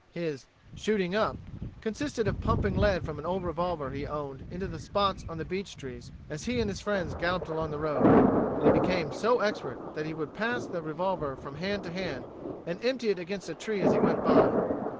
His "shooting up" consisted of pumping lead from an old revolver he owned into the spots on beech trees as he and his friends galloped along the road. And he became so expert that he would pass the revolver from hand to hand and empty it against a tree as he went by.